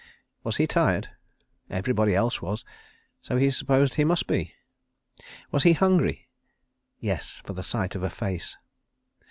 Was he tired? Everybody else was, so he supposed he must be. Was he hungry? Yes—for the sight of a face.